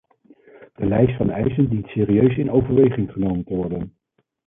De lijst van eisen dient serieus in overweging genomen te worden.